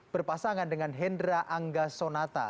berpasangan dengan hendra angga sonata